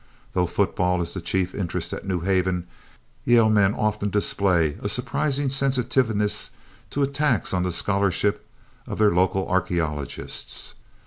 Though football is the chief interest at New Haven, Yale men often display a surprising sensitiveness to attacks on the scholarship of their local archaeologists.